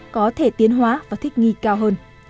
có thể tiến hóa và thích nghi cao hơn